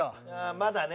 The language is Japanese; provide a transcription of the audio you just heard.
まだね。